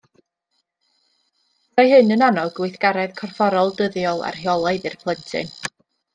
Byddai hyn yn annog gweithgaredd corfforol dyddiol a rheolaidd i'r plentyn